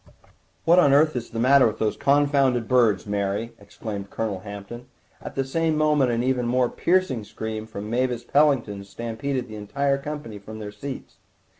"What on earth is the matter with those confounded birds, Mary?" exclaimed Colonel Hampton; at the same moment an even more piercing scream from Mavis Pellington stampeded the entire company from their seats.